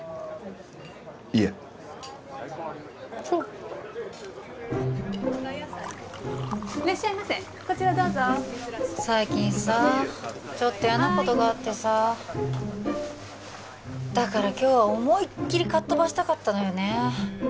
いえそういらっしゃいませこちらどうぞ最近さちょっと嫌なことがあってさだから今日は思いっきりかっ飛ばしたかったのよね